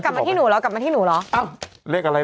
กลับมาที่หนูแล้วกลับมาที่หนูแล้ว